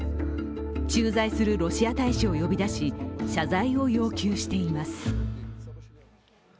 駐在するロシア大使を呼び出し謝罪を要求しています。